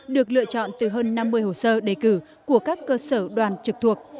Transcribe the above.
được lựa chọn từ hơn năm mươi hồ sơ đề cử của các cơ sở đoàn trực thuộc